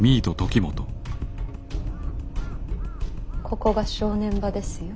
ここが正念場ですよ。